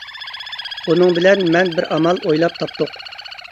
ئۇنىڭ بىلەن مەن بىر ئامال ئويلاپ تاپتۇق.